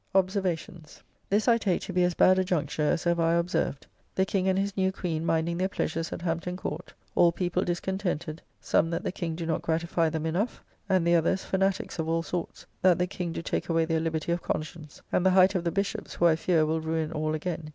OBSERVATIONS. This I take to be as bad a juncture as ever I observed. The King and his new Queen minding their pleasures at Hampton Court. All people discontented; some that the King do not gratify them enough; and the others, Fanatiques of all sorts, that the King do take away their liberty of conscience; and the height of the Bishops, who I fear will ruin all again.